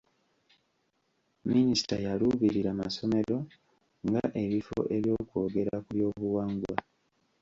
Minisita yaluubirira masomero nga ebifo eby'okwogera ku byobuwangwa.